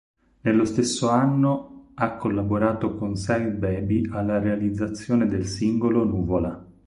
Nello stesso anno ha collaborato con Side Baby alla realizzazione del singolo "Nuvola".